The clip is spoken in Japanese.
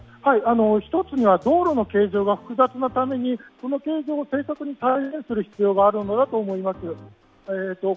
１つには道路の形状が複雑なためにその形状を正確に再現する必要があるのだと思います。